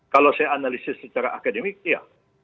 kalau saya analisis secara akademik ya